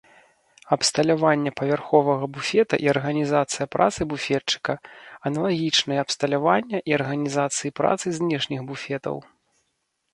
Абсталяванне павярховага буфета і арганізацыя працы буфетчыка аналагічныя абсталявання і арганізацыі працы знешніх буфетаў.